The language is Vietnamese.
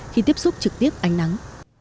khi tiếp xúc trực tiếp ánh nắng